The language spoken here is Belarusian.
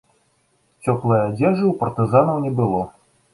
Цёплае адзежы ў партызанаў не было.